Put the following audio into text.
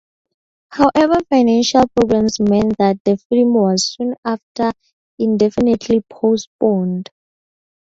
However financial problems meant that the film was soon after indefinitely postponed.